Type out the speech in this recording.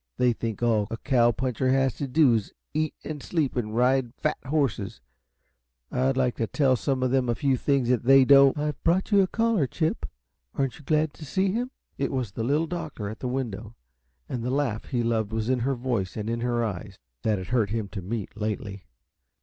"They think all a cow puncher has to do is eat and sleep and ride fat horses. I'd like to tell some of them a few things that they don't " "I've brought you a caller, Chip. Aren't you glad to see him?" It was the Little Doctor at the window, and the laugh he loved was in her voice and in her eyes, that it hurt him to meet, lately.